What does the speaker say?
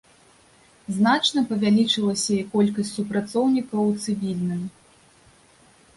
Значна павялічылася і колькасць супрацоўнікаў у цывільным.